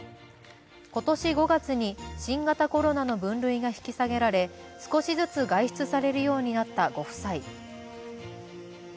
今年５月に新型コロナの分類が引き下げられ少しずつ外出されるようになったご夫妻。